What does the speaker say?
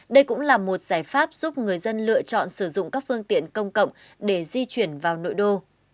đây cũng là một giải pháp giúp người dân lựa chọn sử dụng các phương tiện công cộng để di chuyển vào nội đô